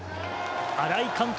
新井監督